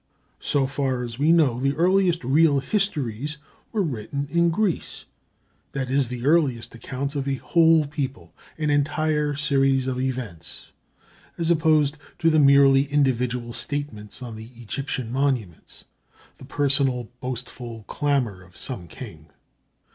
So far as we know, the earliest real "histories" were written in Greece; that is, the earliest accounts of a whole people, an entire series of events, as opposed to the merely individual statements on the Egyptian monuments, the personal, boastful clamor of some king.